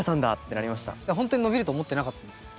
ほんとに伸びると思ってなかったんですよ。